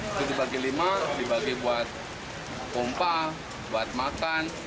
itu dibagi lima dibagi buat pompa buat makan